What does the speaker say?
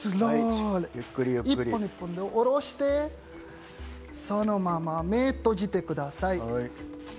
一本一本おろして、そのまま目を閉じてください。